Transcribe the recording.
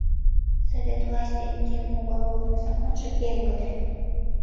Совет властьын тӱҥ уголовный законжо пеҥгыде.